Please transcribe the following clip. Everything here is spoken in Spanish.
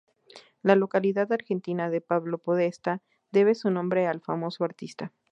La localidad argentina de Pablo Podestá debe su nombre al famoso artista.